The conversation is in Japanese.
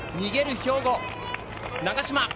兵庫、長嶋。